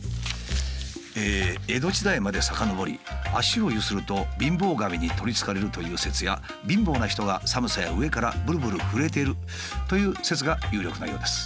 江戸時代までさかのぼり「脚をゆすると貧乏神に取りつかれる」という説や「貧乏な人が寒さや飢えからブルブル震えている」という説が有力なようです。